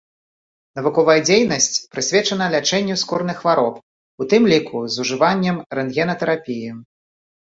Навуковая дзейнасць прысвечана лячэнню скурных хвароб, у тым ліку з ужываннем рэнтгенатэрапіі.